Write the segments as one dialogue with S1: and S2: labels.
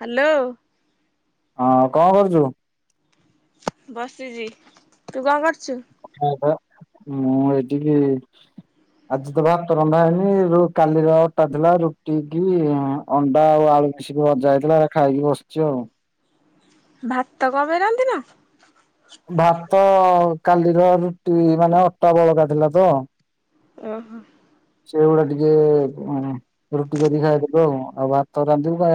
S1: Hello.
S2: ହଁ କଣ କରୁଚୁ?
S1: ବସିଚି ତୁ କଣ କରୁଚୁ?
S2: ମୁଁ ପା ମୁଁ ଏଠିକି ଆଜି ତ ଭାତ ରନ୍ଧା ହେଇନି କାଲିର ଅଟା ଥିଲା ରୁଟି କିି ଅଣ୍ଡା ଆଉ ଆଳୁ କିଛିିକି ଭଜା ହେଇଥିଲା ଖାଇକି ବସିଚି ଆଉ।
S1: ଭାତ କଣ ପାଇଁ ରାନ୍ଧି ନା?
S2: ଭାତ କାଲିର ରୁଟି ମାନେ ଅଟା ବଳକା ଥିଲା ତ
S1: ଓହୋ।
S2: ସେଗୁଡା ଟିକେ ରୁଟି କରିକି ଖାଇଦେଲୁ ଆଉ ଭାତ ରାନ୍ଧିବୁ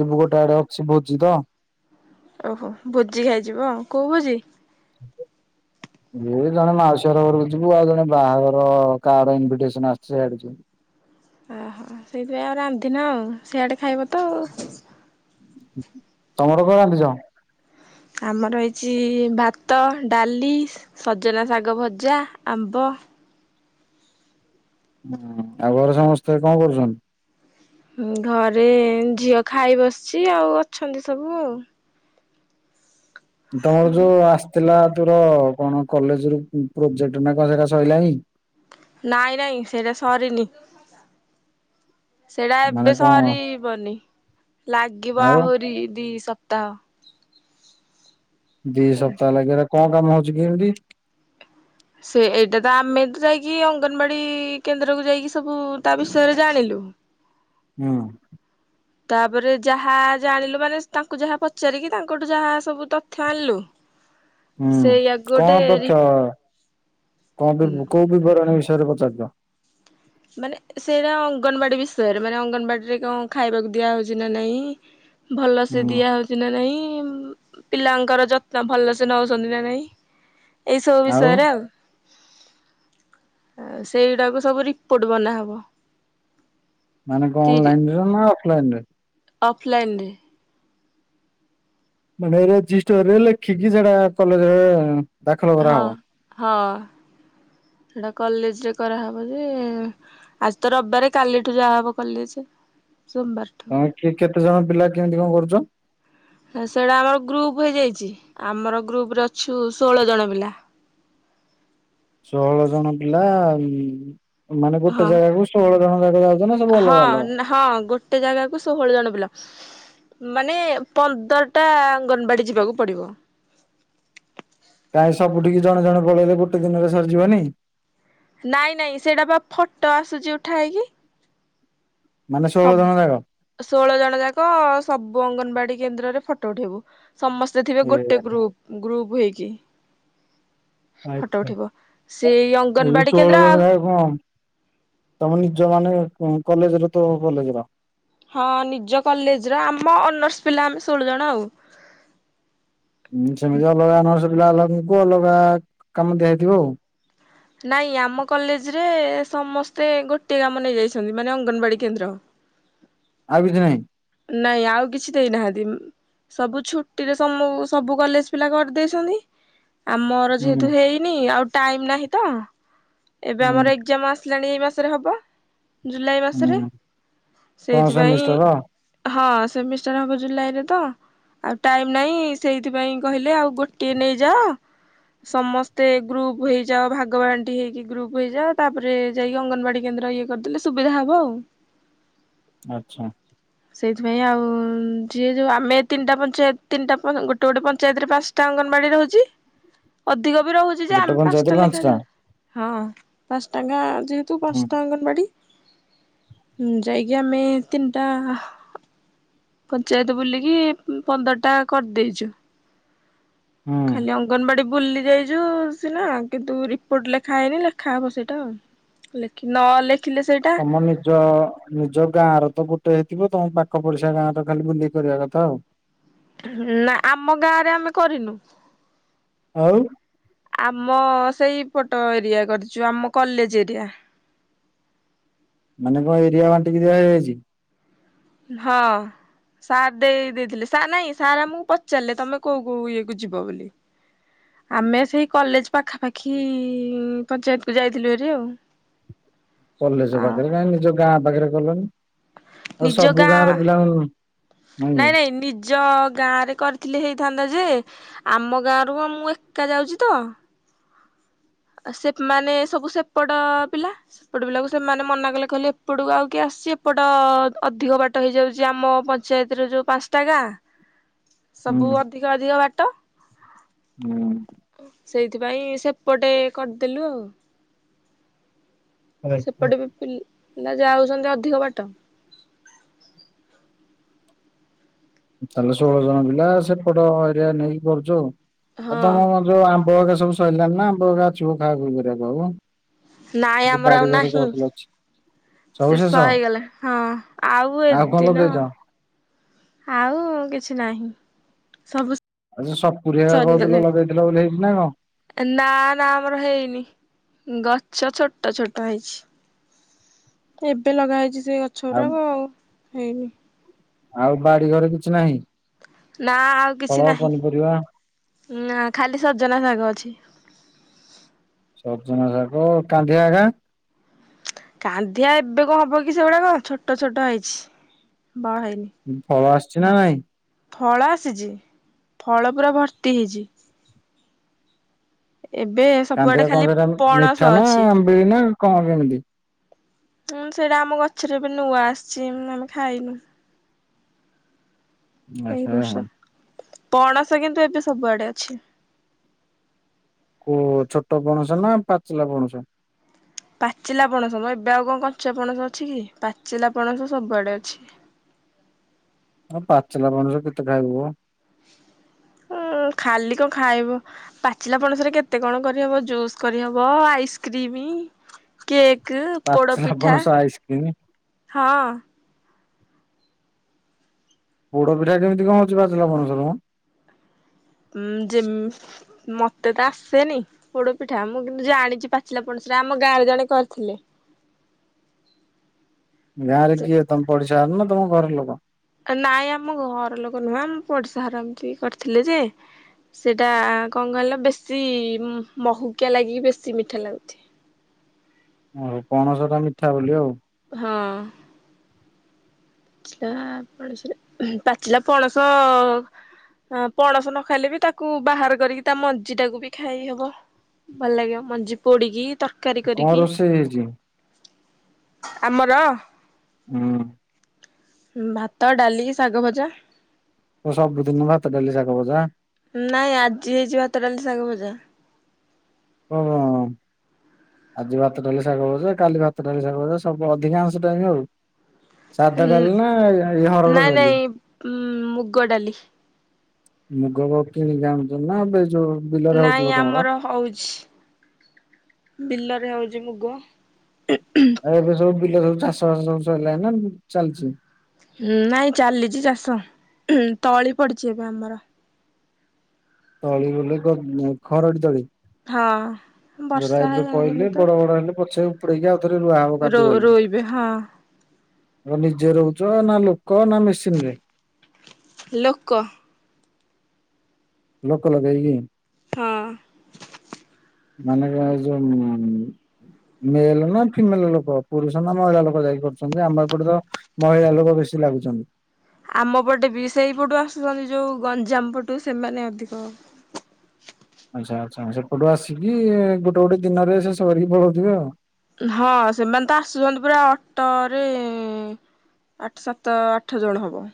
S2: ଯିବୁ ଗୋଟେ ଆଡେ ଅଛି ଭୋଜି ତ
S1: ଓହୋ ଭୋଜି ଖାଇଯିବ କୋଉ ଭୋଜି?
S2: ଏ ଜଣେ ମାଉସୀ ଘର ଘରକୁ ଯିବୁ ଆଉ ଜଣେ ବାହାଘର କା ର ଇନଭିଟେସନ୍ ଆସିଛି ସେଆଡ଼େ ଯିବୁ।
S1: ହଁ ସେଇଥିପାଇଁ ଆଉ ରାନ୍ଧିନ ଆଉ ସିଆଡ଼େ ଖାଇବ ତ ଆଉ।
S2: ତମର କଣ ରାନ୍ଧିଛ?
S1: ଆମର ହେଇଛି ଭାତ ଡାଲି ସଜନା ଶାଗ ଭଜା ଆମ୍ବ।
S2: ହୁଁ ଆଉ ଘରେ ସମସ୍ତେ କଣ କରୁଛନ୍ତି?
S1: ଘରେ ଝିଅ ଖାଇ ବସିଛି ଆଉ ଅଛନ୍ତି ସବୁ ଆଉ।
S2: ତମର ଯୋଉ ଆସିଥିଲା ତୋର କଣ କଲେଜ ରୁ ପ୍ରୋଜେକ୍ଟ୍ ନା କଣ ସେରା ସରିଲାଣିି?
S1: ନାଇଁ ନାଇଁ ସେଇଟା ସରିନି। ସେଇଟା
S2: ମାନେ
S1: ଏବେ
S2: କଣ
S1: ସରିବନି ଲାଗିବ
S2: ଆଉ
S1: ଆହୁରି ଦି ସ ତ
S2: ଦି ସପ୍ତାହ ଲାଗିବ ହେଟା କଣ କାମ ହଉଛି କି ଏମିତି?
S1: ସେ ଏଇଟା ତ ଆମେ ତ ଯାଇକି ଅଙ୍ଗନବାଡି କେନ୍ଦ୍ରକୁ ଯାଇକି ସବୁ ତା ବିଷୟରେ ଜାଣିଲୁ।
S2: ହୁଁ।
S1: ତାପରେ ଯାହା ଜାଣିଲୁ ମାନେ ତାଙ୍କୁ ଯାହା ପଚାରିକି ତାଙ୍କଠୁ ଯାହା ସବୁ ତଥ୍ୟ ଆଣିଲୁ।
S2: ହୁଁ
S1: ସେଇଆକୁ ଗୋଟେ
S2: କଣ
S1: ରି
S2: ତଥ୍ୟ? କଣ ବି କୋଉ ବିବରଣୀ ବିଷୟରେ ପଚାରଛ?
S1: ମାନେ ସେଇଟା ଅଙ୍ଗନବାଡ଼ି ବିଷୟରେ ମାନେ ଅଙ୍ଗନବାଡ଼ିରେ କଣ ଖାଇବାକୁ ଦିଆହେଉଛି ନା ନାହିଁ ଭଲ ସେେ
S2: ହୁଁ
S1: ଦିଆ ହଉଛି ନା ନାଇଁ ପିଲାଙ୍କର ଯତ୍ନ ଭଲ ସେ ନଉଛନ୍ତି ନା ନାଇଁ ଏଇ ସବୁ ବିଷୟରେ ଆଉ ଆଉ ସେଇଗୁଡାକୁ ସବୁ ରି ରିପୋର୍ଟ ବନାହବ।
S2: ମାନେକ ଅନ୍ଲାଇନ ରେ ନା ଅଫ୍ଲାଇନ ରେ?
S1: ଅଫ୍ଲାଇନ୍ରେ
S2: ମାନେ ରେଜିଷ୍ଟୋରେ ଲେଖିକି ସେଟା କଲେଆଉ
S1: ହଁ ହଁ ସେଟା କଲେଜରେ କରାହେବ ଯେ। ଆଜି ତ ରବିବାରେ କାଲିଠୁ ଯାହା ହବ କଲେଜ୍ ସୋମବାରଠୁ।
S2: ତମେ କିଏ କେତେ ଜଣ ପିଲା କେମିତି କଣ କରୁଛ?
S1: ହ ସେଇଟା ଆମର ଗ୍ରୁପ୍ ହେଇଯାଇଛି ଆମର ଗ୍ରୁପ୍ ରେ ଅଛୁ ଷୋହଳ ଜଣ ପିଲା।
S2: ଷୋହଳ ଜଣ ପିଲା ଆଉ ମାନେ ଗୋଟେ
S1: ହଁ
S2: ଜାଗା କ ଷୋହଳ ଜଣ ଯାକ ନା ସବୁ
S1: ହଁ
S2: ଅଲଗା ଅଲଗା?
S1: ହଁ ଗୋଟେ ଜାଗାକୁ ଷୋହଳ ଜଣ ପିଲା। ମାନେ ପନ୍ଦରଟା ଅଙ୍ଗନବାଡ଼ି ଯିବାକୁ ପଡ଼ିବ।
S2: କାଇଁ ସବୁିଠିକି ଜଣେ ଜଣ ପଳେଇଲେ ଗୋଟେ ଦିନରେ ସରିଯିବନି?
S1: ନାଇଁ ନାଇଁ ସେଇଟା ପା ଫଟୋ ଆସୁଛି ଉଠା ହେଇକି।
S2: ମାନେ ଷୋହଳ ଜଣ ଯାକ
S1: ଷୋଳ ଜଣ ଯାକ ସବୁ ଅଙ୍ଗନବାଡି କେନ୍ଦ୍ରରେ ଫଟୋ ଉଠେଇବୁ। ସମସ୍ତେ ଥିବେ
S2: ଏ
S1: ଗୋଟେ ଗ୍ରୁପ୍ ଗ୍ରୁପ୍ ହେଇକି। ଫଟୋ
S2: ଆଚ୍ଛା।
S1: ଉଠିବ ସେଇ
S2: ଏଇ
S1: ଅଙ୍ଗନବାଡ଼ି କେନ୍ଦ୍ର ଆଉ।
S2: [unintelligible] ତମେ ନିଜ ମାନେ କଲେଜ୍ ର ତ କଲେଜ୍ ର
S1: ହଁ ନିଜ କଲେଜ୍ର ଆମ ଅନର୍ସ ପିଲା ଆମେ ଷୋଳ ଜଣ ଆଉ।
S2: ହୁଁ ସେମିତି ଅଲଗା ଅନର୍ସ ପିଲା ଅଲଗାଙ୍କୁ ଅଲଗା କାମ ଦିଆଯଇଥିବ ଆଉ।
S1: ନାଇଁ ଆମ କଲେଜରେ ସମସ୍ତେ ଗୋଟିଏ କାମ ନେଇଯାଇଛନ୍ତି ମାନେ ଅଙ୍ଗନବାଡ଼ି କେନ୍ଦ୍ର।
S2: ଆଉ କିଛି ନାହିଁ।
S1: ନାଇଁ ଆଉ କିଛି ଦେଇନାହାନ୍ତି। ସବୁ ଛୁଟିରେ ସମୁ- ସବୁ କଲେଜ୍ ପିଲା କରିଦେଇଛନ୍ତି। ଆମର
S2: ହୁଁ
S1: ଯେହେତୁ ହେଇନି ଆଉ ଟାଇମ୍ ନାହିଁ ତ ଏବେ
S2: ହୁଁ
S1: ଆମର ଏଜାମ ଆ ଆସିଲାଣି ଏଇ ମାସରେ ହେବ ଜୁଲାଇ ମାସରେ
S2: ହୁଁ କଣ
S1: ସେଇଥିପାଇଁ
S2: ସେମିଷ୍ଟର
S1: ହଁ ସେମିଷ୍ଟାର ହବ ଜୁଲାଇ ରେ ତ। ଆଉ ଟାଇମ୍ ନାହିଁ ସେଇଥିପାଇଁ କହିଲେ ଆଉ ଗୋଟିଏ ନେଇଯାଅ। ସମସ୍ତେ ଗ୍ରୁପ୍ ହେଇଯାଅ ଭାଗବାଣ୍ଟି ହେଇକି ଗ୍ରୁପ୍ ହେଇଯାଅ ତାପରେ ଯାଇକି ଅଙ୍ଗନବାଡି କେନ୍ଦ୍ର ଇଏ କରିଦେଲେ ସୁବିଧା ହବ ଆଉ।
S2: ଆଚ୍ଛା।
S1: ସେଇଥିପାଇଁ ଆଉ ଯିଏ ଯୋଉ ଆମେ ତିନିଟା ପଞ୍ଚାୟତ ତିନିଟା ଗୋଟେ ଗୋଟେ ପଞ୍ଚାୟତରେ ପାଞ୍ଚ ଟା ଅଙ୍ଗନବାଡି ରହୁଛି ଅଧିକ ବି ରହୁଛି ଯେ
S2: ଗୋଟେ
S1: ଆମେ
S2: ପଞ୍ଚାୟତରେ
S1: ପାଞ୍ଚଟା ଲେଖା ଯା ହଁ ପାଞ୍ଚ ଟାଙ୍କା ଯେହେତୁ
S2: ହୁଁ
S1: ପାଞ୍ଚଟା ଅଙ୍ଗନବାଡି। ହୁଁ ଯାଇକି ଆମେ ତିନିଟା ପଞ୍ଚାୟତ ବୁଲିକି ପନ୍ଦର ଟା କରିଦେଇଚୁ
S2: ହୁଁ।
S1: ଖାଲି ଅ ଅଙ୍ଗନବାଡି ବୁଲି ଯାଇଚୁ ସିନା କିନ୍ତୁ ରିପୋର୍ଟ ଲେଖା ହେଇନି ଲେଖା ହବ ସେଇଟାଉ। ଲେଖି ନଲେଖ
S2: ତମ ନିଜ ନିଜ ଗାଁ ର ତ ଗୋଟେ ହେଇଥିବ ତମ ପାଖ ପଡିଶା ଗାଁ ର ଖାଲି ବୁଲିକି କରିବା କଥା ଆଉ।
S1: ନାଁ ଆମ ଗାଁରେ ଆମେ କରିନୁ।
S2: ଆଉ?
S1: ଆମ ସେଇ ପଟ ଏରିଆ କରିଚୁ ଆମ କଲେଜ ଏରିଆ।
S2: ମାନେ କଣ ଏରିଆ ବାଣ୍ଟିକି ଦିଆ ଯାଇଛି।
S1: ହଁ। ସାର୍ ଦେଇ ଦେଇଥିଲେ ସାର୍ ନାଇଁ ସାର୍ ଆମକୁ ପଚାରିଲେ ତମେ କୋଉ କୋଉ ଇଏ କୁ ଯିବ ବୋଲି। ଆମେ ସେଇ କଲେଜ ପାଖାପାଖି ପଞ୍ଚାୟତକୁ ଯାଇଥିଲୁ ହେରି ଆଉ।
S2: [inaudible] କଲେଜ
S1: ଆଉ
S2: ପାଖରେ କାହିଁ ନିଜ ଗାଁ ପାଖରେ କଲନି ଆଉ ସବୁ ଗାଁ ର ପିଲାମାନେ
S1: ନାଇଁ ନାଇଁ ନିଜ ଗାଁ ରେ କରିଥିଲି ହେଇଥାନ୍ତା ଯେ ଆମ ଗାଁରୁ ମୁଁ ଏକା ଯାଉଚି ତ। ସେ ମାନେ ସବୁ ସେପଟ ପିଲା। ସେପଟ ପିଲାକୁ ସେମାନେ ମନା କଲେ କହିଲେ ଏପଟକୁ ଆଉ କି ଆସୁଚି ଏପଟ ଅଧିକ ବାଟ ହେଇଯାଉଛି ଆମ ପ ଞ୍ଚାୟତରୁ ଯୋଉ ପାଞ୍ଚଟା ଗାଁ ସବୁ
S2: ହୁଁ।
S1: ଅଧିକ ଅଧିକ ବାଟ।
S2: ହୁଁ।
S1: ସେଇଥିପାଇଁ ସେପଟେ କରିଦେଲୁ ଆଉ।
S2: ଆଜ୍ଞା।
S1: ସେପଟେ ବି ପିଲ ପିଲା ଯାଉଛନ୍ତି ଅଧିକ ବାଟ।
S2: ତାହେଲେ ଷୋହଳ ଜଣ ପିଲା ସେପଟ ଏରିଆ ନେଇକି କରୁଛ ଆଉ
S1: ହଁ
S2: ତମ ଯୋଉ ଆମ୍ବ ଏକା ସବୁ ସରିଲାଣି ନା ଆମ୍ବ ଏକା ଅଛି ବୋ ଖା ଖୁଇ କରି ବାକୁ।
S1: ନାଇଁ ଆମର ଆଉ ନାହିଁ।
S2: ଅଛି
S1: ଶେଷ ହେଇଗଲା ହଁ ଆଉ
S2: କଣ
S1: ଏଦିନ
S2: ଲଗେଇଛ?
S1: ଆଉ କିଛି ନାହିଁ ସବୁ
S2: ଆଉ ସେ ସପୁରୀ ଏରା କହୁଥିଲ ଲଗେଇଥିଲ ବୋଲି ହେଇଛି ନା କଣ?
S1: ନାଁ ନାଁ ଆମର ହେଇନି ଗଛ ଛୋଟ ଛୋଟ ହେଇଛି। ଏବେ ଲଗା ହେଇଛି ସେଇ ଗଛ ଗୁରାକ ଆଉ ହେଇନି।
S2: ଆଉ ବାଡି ଘରେ କିଛି ନାହିଁ?
S1: ନାଁ ଆଉ
S2: ଫଳ
S1: କିଛି ନାହିଁ
S2: ପନିପରିବା
S1: ନା ଖାଲି ସଜନା ଶାଗ ଅଛି।
S2: ସଜନା ଶାଗ କାନ୍ଧିଆ ଗା?
S1: କାନ୍ଧିଆ ଏବେ କଣ ହବ କି ସେଗୁଡାକ ଛୋଟ ଛୋଟ ହେଇଛି ବଡ ହେଇନି।
S2: ଫଳ ଆସିଛି ନା ନାଇଁ?
S1: ଫଳ ଆସିଛି ଫଳ ପୁରା ଭର୍ତ୍ତି ହେଇଚି। ଏବେ
S2: କାନ୍ଦିଆ
S1: ସବୁଆଡେ ଖାଲି
S2: କଣ ସେଟା
S1: ପଣସ
S2: ମିଠା ନା
S1: ଅଛି
S2: ଆମ୍ବିଳି ନାଁ କଣ କେମିତି?
S1: ହଁ ସେଇଟା ଆମ ଗଛରେ ଏବେ ନୂଆ ଆସିଛି ଆମେ ଖାଇନୁ। ଏଇ
S2: ଆଚ୍ଛା
S1: ବର୍ଷ ପଣସ କିନ୍ତୁ ଏବେ ସବୁଆଡେ ଅଛି।
S2: କୁ ଛୋଟ ପଣସ ନା ପାଚିଲା ପଣସ?
S1: ପାଚିଲା ପଣସ ମୋ ଏବେ ଆଉ କଣ କଞ୍ଚା ପଣସ ଅଛି କି? ପାଚିଲା ପଣସ ସବୁଆଡ଼େ ଅଛି।
S2: ଆଉ ପାଚିଲା ପଣସ କେତେ ଖାଇବ? ହ
S1: ଉଁ ଖାଲି କଣ ଖାଇବ? ପାଚିଲା ପଣସରେ କେତେ କଣ କରିହବ ଜୁସ୍ କରିହବ ଆଇସ୍କ୍ରିମ। କେକ୍, ପୋଡ
S2: ପାଚିଲା
S1: ପିଠା,
S2: ପଣସ ଆଇସ୍କ୍ରିମ।
S1: ହଁ।
S2: ପୋଡ ପିଠା କେମିତି କଣ ହଉଛି ପାଚିଲା ପଣସ ରେ ମ?
S1: ଉ ଯେମ ମତେ ତ ଆସେନି। ପୋଡ ପିଠା ମୁଁ କିନ୍ତୁ ଜାଣିଛି ପାଚିଲା ପଣସରେ ଆମ ଗାଁରେ ଜଣେ କରିଥିଲେ।
S2: ଗାଁ ରେ
S1: ସେ
S2: କିଏ ତମ ପଡିଶାର ନା ତମ ଘର ଲୋକ?
S1: ନାଇଁ ଆମ ଘର ଲୋକ ନୁହେଁ ଆମ ପଡିଶା ହର ଏମତି କରିଥିଲେ ଯେ। ସେଇଟା କ ଣ କହିଲ ବେଶୀ ମହୁକିଆ ଲାଗିକି ବେଶୀ ମିଠା ଲାଗୁଛି।
S2: ଓହୋ ପଣସ ଟା ମିଠା ବୋଲି ଆଉ।
S1: ହଁ। ପାଚିଲା ପଣସରେ ପାଚିଲା ପଣସ। ଆ ପଣସ ନ ଖାଇଲେ ବି ତାକୁ ବାହାର କରିକି ତା ମଞ୍ଜି ଟାକୁ ବି ଖାଇ ହବ। ଭଲ ଲାଗିବ ମଞ୍ଜି ପୋଡିକି ତର ତରକାରି
S2: କଣ
S1: କରିକି।
S2: ରୋଷେଇ ହେଇଛି?
S1: ଆମର
S2: ହୁଁ।
S1: ଭାତ, ଡାଲି, ଶାଗ ଭଜା।
S2: କ ସବୁ ଦିନ ଭାତ, ଡଲି, ସାଗ ଭଜା?
S1: ନାଇଁ ଆଜି ହେଇଚି ଭାତ, ଡାଲି, ଶାଗ ଭଜା।
S2: ଓ ହଁ। ଆଜି ଭାତ, ଡାଲି, ଶାଗ ଭଜା କାଲି ଭାତ, ଡାଲି, ଶାଗ ଭଜା ସବୁ ଅଧିକାଂଶ ଟାଇମ ଆଉ। ସାଧା ଡାଲି ନା ହରଡ ଡଲି?
S1: ଉଁ ମୁଗ ଡାଲି।
S2: ମୁଗ ଗ କିଣି ଆଣୁଛନ୍ତି ନା, ଏବେ ଯୋଉ ବିଲରେ ହଉଥିବ
S1: ନାଇଁ
S2: ତମର?
S1: ଆମର ହଉଛି। ବିଲରେ ହଉଛି ମୁଗ ଉଁ ହୁଁ।
S2: ଆଉ ଏବେ ସବୁ ବିଲ ସବୁ ଚାଷ ବାସ ସବୁ ସରିଲାଣି ନା ଚାଲିଛି?
S1: ହୁଁ ନାଇଁ ଚାଲିଛି ଚାଷ, ହୁଁ ତଳି ପଡିଛି ଏବେ ଆମର।
S2: ତଳି ବୋଲି କଣ ଖରଡ଼ି ତଳି?
S1: ହଁ ବର୍ଷା
S2: ରାଇବରେ ପଇଲି
S1: ହେଇନି ତ।
S2: ବଡ ବଡ ହେଲେ ପଛେ ଉପୁଡେଇକି ଆଉଥରେ ରୁଆ ହବ
S1: ରୋ
S2: କାଦୁଅ ହେଇକି।
S1: ରୋଇବେ ହଁ।
S2: ଆ ନିଜେ ରଉଚ ନା, ଲୋକ ନା, ମେସିନ ରେ?
S1: ଲୋକ।
S2: ଲୋକ ଲଗେଇକି?
S1: ହଁ।
S2: ମାନେକା ଯୋଉ ମେଲ ନା ଫିମେଲ ଲୋକ ପୁରୁଷ ନା ମହିଳା ଲୋକ ଯାଇକି କରୁଛନ୍ତି? ଆମ ଏପଟେ ତ ମହିଳା ଲୋକ ବେଶୀ ଲାଗୁଛନ୍ତି।
S1: ଆମ ପଟେ ବି ସେଇପଟୁ ଆସୁଛନ୍ତି ଯୋଉ ଗଞ୍ଜାମ ପଟୁ ସେମାନେ ଅଧିକ।
S2: ଆଚ୍ଛା ଆଚ୍ଛା ସେପଟୁ ଆସିକି ଗୋଟେ ଗୋଟେ ଦିନରେ ସେ ସରିକି ପଳଉଥିବେ ଆଉ।
S1: ହଁ, ସେମାନେ ତ ଆସୁଛନ୍ତି ପୁରା ଅଟୋରେ। ଆଠ, ସାତ, ଆଠ ଜଣ ହବ।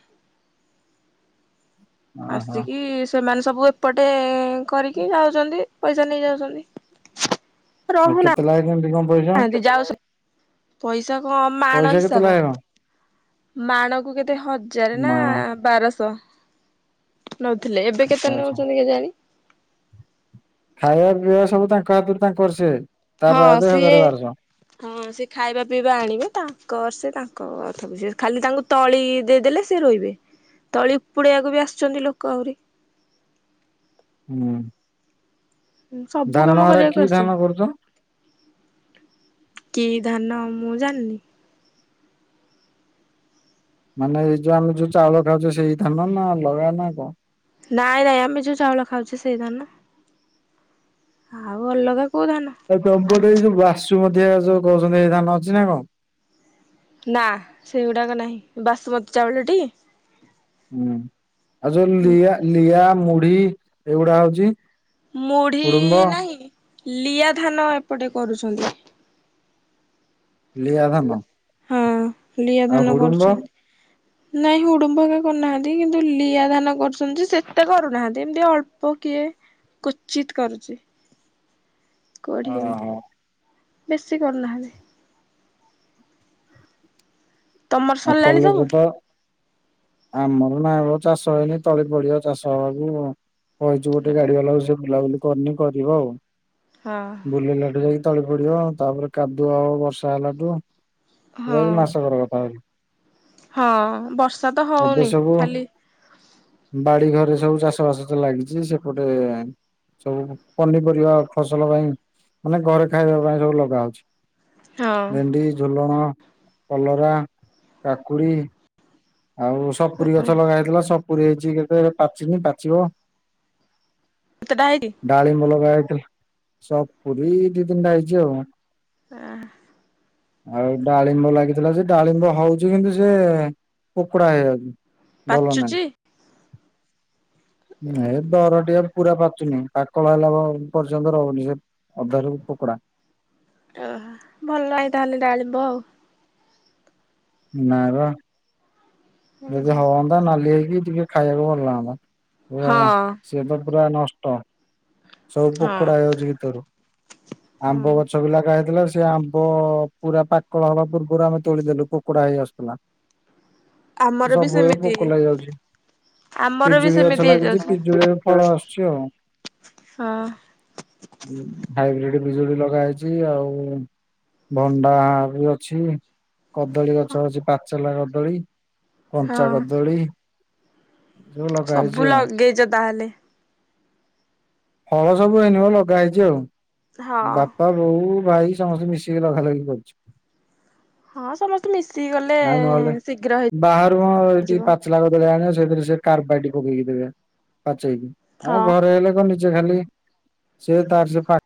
S2: ଓହୋ
S1: ଆସିକି ସେମାନେ ସବୁ ଏପଟେ କରିକି ଯାଉଚନ୍ତି। ପଇସା ନେଇ ଯାଉଚନ୍ତି।
S2: [unintelligible]
S1: ଅ ଯାଉ ପଇସା କମ୍ ମାଣ
S2: ପଇସା କେତେ
S1: ହିସାବ।
S2: ଲାଖେ କଣ?
S1: ମାଣକୁ କେତେ ହଜାରେ ନା
S2: ମା
S1: ବାରଶହ ନଉଥିଲେ ଏବେ
S2: ଆଚ୍ଛା
S1: କେତେ
S2: ଆଚ୍ଛା।
S1: ନଉଚନ୍ତି କେଜାଣି।
S2: ଖାଇବା ପିଇବା ସବୁ ତାଙ୍କ ହାତରୁ ତାଙ୍କର ସେ। ତା
S1: ହଁ,
S2: ବାଦେ
S1: ସିଏ
S2: ହଜାର ବାରଶହ
S1: ହ ହଁ, ସେ ଖାଇବା ପିଇବା ଆଣିବେ ତାଙ୍କର ସେ ତାଙ୍କ କଥା ବୁଝିବେ। ଖାଲି ତାଙ୍କୁ ତଳି-ଇ-ଇ ଦେଇଦେଲେ ସେ ରୋଇବେ। ତଳି ଉପୁଡେଇବାକୁ ବି ଆସୁଛନ୍ତି ଲୋକ ଆହୁରି।
S2: ହୁଁ,
S1: ଉ ସବୁ
S2: ଧାନ
S1: କାମ
S2: ହେରା କି
S1: କରିବାକୁ
S2: ଧାନ
S1: ଆସୁଚନ୍ତି।
S2: କରୁଛ?
S1: କି ଧାନ ମୁଁ ଜାଣିନି।
S2: ମାନେ ଏଇ ଯୋଉ ଆମେ ଯୋଉ ଚାଉଳ ଖାଉଛେ ସେଇ ଧାନ ନା ଅଲଗା ନା କଣ?
S1: ନାଇଁ ନାଇଁ ଆମେ ଯୋଉ ଚାଉଳ ଖାଉଛେ ସେଇ ଧାନ। ଆଉ ଅଲଗା କୋଉ ଧାନ?
S2: ଆଉ ତମ ପଟେ ଏଇ ଯୋଉ ବାସୁମତିଆ ଯୋଉ କହୁଛନ୍ତି ଏଇ ଧାନ ଅଛି ନା କଣ?
S1: ନା, ସେଇଗୁଡ଼ାକ ନାହିଁ। ବାସୁମତୀ ଚାଉଳଟି?
S2: ହୁଁ, ଆଉ ଯୋଉ ଲିଆ ଲିଆ, ମୁଢି ଏଇଗୁଡା ହଉଛି? ହୁଡୁମ୍ବ
S1: ମୁଢି-ଇ-ଇ ନାହିଁ, ଲିଆ ଧାନ ଏପଟେ କରୁଛନ୍ତି।
S2: ଲିଆ ଧାନ?
S1: ହଁ, ଲିଆ
S2: ଆଉ
S1: ଧାନ
S2: ହୁଡୁମ୍ବ
S1: କରୁଛନ୍ତି। ନାଇଁ ହୁଡୁମ୍ୱ ବି କରୁନାହାନ୍ତି କିନ୍ତୁ ଲିଆ ଧାନ କରୁଛନ୍ତି ସେତେ କରୁନାହାନ୍ତି ଏମିତି ଅଳ୍ପ କିଏ କୁଚିତ୍ କରୁଚି। କୋଢ଼ିଏ
S2: ଓହୋ
S1: ବେଶୀ କରୁନାହାନ୍ତି। ତମର
S2: ଆଉ
S1: ସରିଲାଣି ସବୁ?
S2: କଲେଜ ତ ଆମର ନାଇ ମ ଚାଷ ହେଇନି ତଳି ପଡିବ ଚାଷ ହବାକୁ। କହିଛୁ
S1: ନା
S2: ଗୋଟେ ଗାଡି ବାଲାକୁ ସେ ବୁଲାବୁଲି କରିନି କରିବ ଆଉ।
S1: ହଁ,
S2: ବୁଲିଲାଠୁ ଯାଇକି ତଳି ପଡିବତାପରେ କାଦୁଅ ହବ ବର୍ଷା ହେଲାଠୁ। ଏ ଯାଇ
S1: ହଁ
S2: ମାସକର କଥା ଏଇ।
S1: ହଁ ବ
S2: ଏ ସବୁ ବାଡି ଘରେ ସବୁ ଚାଷ ବାସ ତ ଲାଗିଛି। ସେପଟେ-ଏ-ଏ-ଏ ସବୁ ପନିପରିବା ଫସଲ ପାଇଁ ମାନେ ଘରେ ଖାଇବା ପାଇଁ ସବୁ ଲଗା ହଉଛି।
S1: ହଁ।
S2: ଭେଣ୍ଡ, ଝୁଲଣ, କଲରା, କାକୁଡି ଆଉ ସପୁରୀ ଗଛ ଲଗା ହେଇଥିଲା ସପୁରୀ ହେଇଛି କେତେ ପାଚିନି ପାଚିବ।
S1: କେତେଟା ହେଇ
S2: ଡାଳିମ୍ୱ ଲଗା ହେଇଥିଲା, ସପୁରୀ ଦି ତିନିଟା ହେଇଛି ଆଉ।
S1: ଆ
S2: ଆଉ ଡାଳିମ୍ବ ଲାଗିଥିଲା, ସେ ଡାଳିମ୍ବ ହଉଛି କିନ୍ତୁ ସେ-ଏ-ଏ-ଏ ପୋକୋଡା ହେ ଯାଉ
S1: ପାଚୁଛି?
S2: ନାଇ ଏ ଦରଟିଆ ପୁରା ପାଚୁନି ପାକଳ ହେଲା ପ-ଅ-ଅ ପର୍ଯ୍ୟନ୍ତ ରହୁନି ସେ ଅଧାରୁ ପୋକଡା।
S1: ଓହୋ ଭଲ ନାଇ ତାହେଲେ ଡାଳିବ।
S2: ନାଇ ବା।
S1: ହଁ
S2: ଯଦି ହଅନ୍ତା ନାଲି ହେଇକି ଟିକେ ଖାଇବାକୁ ଭଲ ଲାଗନ୍ତା। ଆ ସେ ତ ପୁରା ନଷ୍ଟ। ସବୁ
S1: ହଁ
S2: ପୋକଡା ହେଇଯାଉଛି ଭିତରୁ।
S1: ହଁ
S2: ଆମ୍ବ ଗଛ ବି ଲଗା ହେଇଥିଲା ସେ ଆମ୍ବ-ଅ-ଅ-ଅ ପୁରା ପାକଳ ହବା ପୂର୍ବରୁ ଆମେ ତୋଳିଦେଲୁ ପୋକଡା ହେଇ ଆସୁଥିଲା।
S1: ଆମର ବି
S2: ସବୁ ଏବେ
S1: ସେମିତି
S2: ପୋକ ଲାଗଯାଉଛି।
S1: ଆମର ବି
S2: ପିଜୁଳି ଗଛ
S1: ସେମିତି
S2: ଲାଗିଛି
S1: ହେଇଯାଉଛି
S2: ପିଜୁଳିରେ ଫଳ ଆସୁଛି ଆଉ।
S1: ହଁ।
S2: ଉଁ ହାଇବ୍ରିଡ୍ ବିଜୁଳି ଲଗା ହେଇଛି ଆଉ ଭଣ୍ଡା ବି ଅଛି କଦଳୀ ଗଛ ଅଛି ପାଚେଲା କଦଳୀ। କଞ୍ଚା
S1: ହଁ।
S2: କଦଳୀ ସବୁ ଲଗା ହେଇଛି ଆଉ।
S1: ଗେଇଚ ତାହେଲେ।
S2: ଫଳ ସବୁ ଏଇନିକା ଲଗା ହେଇଛି ଆଉ।
S1: ହଁ
S2: ବାପା ବୋଉ ଭାଇ ସମସ୍ତେ ମିଶିକି ଲଗା ଲଗି କରୁଛୁ।
S1: ହଁ ସମସ୍ତେ ମିଶିକି ଗଲେ
S2: ନାଇ ନହେଲେ
S1: ଶୀଘ୍ର
S2: ବାହାରୁ ହଁ ଏଇଠି
S1: ହେଇଯିବ
S2: ପା ଚିଲା କଦଳୀ ଆଣିବ ସେଇଥିରେ ସେ କାରବାଇଟି ପକେଇକି ଦେବେ ପାଚେଇକି ଆମ
S1: ହଁ।
S2: ଘରେ ହେଲେ କଣ ନି ଜେ ଖାଲି ସେଇ ତାର ସେ ଫା